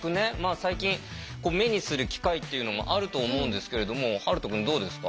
最近目にする機会っていうのもあると思うんですけれども遥斗くんどうですか？